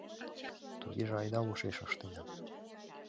Тугеже айда лошеш ыштена.